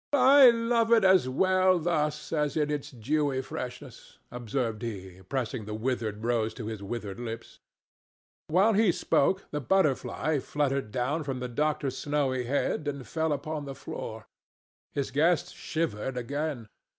"I love it as well thus as in its dewy freshness," observed he, pressing the withered rose to his withered lips. While he spoke the butterfly fluttered down from the doctor's snowy head and fell upon the floor. His guests shivered again.